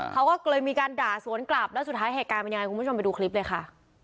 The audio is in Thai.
เขาก็เลยมีการด่าสวนกลับแล้วสุดท้ายเหตุการณ์เป็นยังไงคุณผู้ชมไปดูคลิปเลยค่ะ